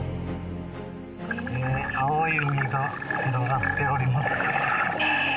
青い海が広がっています。